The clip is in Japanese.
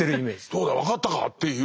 どうだ分かったかっていう。